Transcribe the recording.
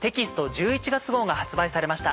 １１月号が発売されました。